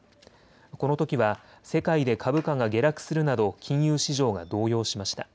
このときは世界で株価が下落するなど金融市場が動揺しました。